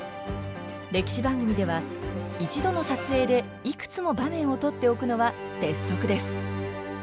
歴史番組では一度の撮影でいくつも場面を撮っておくのは鉄則です。